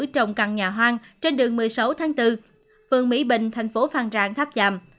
trồng cằn nhà hoang trên đường một mươi sáu tháng bốn phường mỹ bình tp phan rang tháp tràm